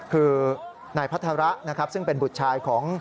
คือไหนพัทระซึ่งเป็นบุตรชายของ